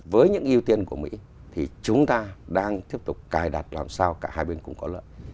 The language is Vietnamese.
với những ưu tiên của mỹ thì chúng ta đang tiếp tục cài đặt làm sao cả hai bên cũng có lợi